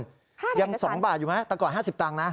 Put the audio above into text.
ค่าถ่ายเอกสารยัง๒บาทอยู่ไหมตั้งกว่า๕๐ตังค์นะ